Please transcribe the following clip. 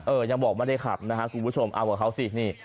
เออยังบอกว่าไม่ได้ขับนะครับคุณผู้ชมเอากับเขาสิ